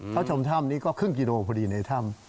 เขาชมถ้ำนี้ก็ครึ่งกิโลพอดีในถ้ำ